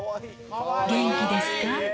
「元気ですか。